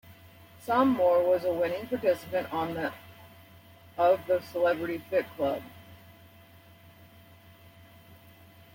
Sommore was a winning participant on the of "Celebrity Fit Club".